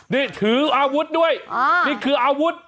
นี่ถืออาวุธด้วยนี่คืออาวุธ